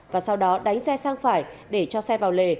và sau đó đánh xe sang phải để cho xe vào lề